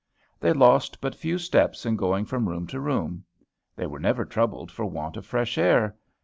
They lost but few steps in going from room to room. They were never troubled for want of fresh air.